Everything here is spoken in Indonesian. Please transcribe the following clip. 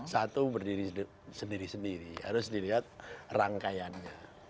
satu berdiri sendiri sendiri harus dilihat rangkaiannya